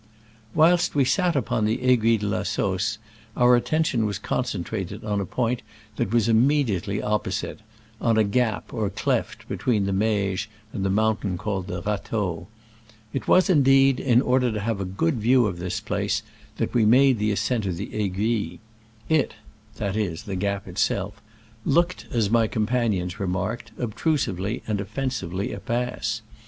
Whilst we sat upon the Aiguille de la Sausse our attention was concentrated on a point that was immediately oppo site — on a gap or cleft between the Meije and the mountain called the Rateau. It was, indeed, in order to have a good view of this place that we made the ascent of the Aiguille. It (that is, the gap itself) looked, as my companions remarked, obtrusively and offensively a pass.